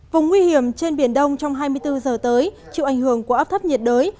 vùng nguy hiểm trên biển đông trong hai mươi bốn giờ tới chịu ảnh hưởng của áp thấp nhiệt đới